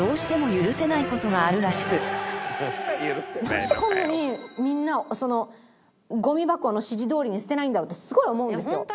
なんでこんなにみんなゴミ箱の指示どおりに捨てないんだろうってすごい思うんですよ。